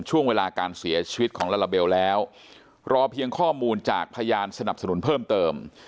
ช่วงเวลาการเสียชีวิตของลาลาเบลแล้วรอเพียงข้อมูลจากพยานสนับสนุนเพิ่มเติม